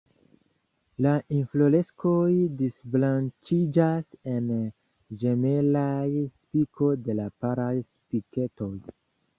La infloreskoj disbranĉiĝas en ĝemelaj spiko de paraj spiketoj.